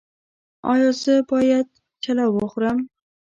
ایا زه باید چلو وخورم؟